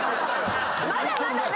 まだまだね！